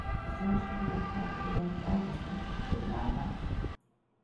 Az első világháború alatt elvesztette fél lábát.